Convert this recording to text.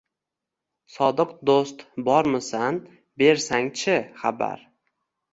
Sodiq do‘st, bormisan, bersang-chi, xabar